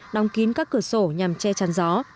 đóng kín các cửa sổ nhằm che chăn gió